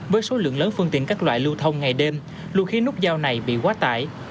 với số lượng lớn phương tiện các loại lưu thông ngày đêm luôn khiến nút giao này bị quá tải